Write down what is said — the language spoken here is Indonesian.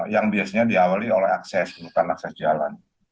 yang biasanya diawali oleh akses bukan akses jalan